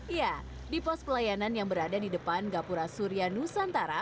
ya di pos pelayanan yang berada di depan gapura surya nusantara